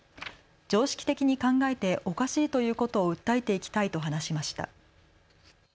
常識的に考えて、おかしいということを訴えていきたいと話しました。